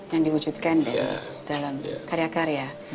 yang diwujudkan dalam karya karya